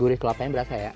gurih kelapanya berasa ya